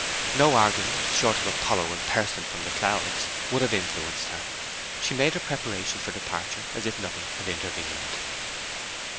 No argument, short of Apollo in person from the clouds, would have influenced her. She made her preparations for departure as if nothing had intervened.